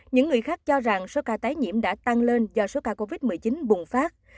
những người khác cho rằng số ca tái nhiễm đã tăng lên do số ca covid một mươi chín bùng phát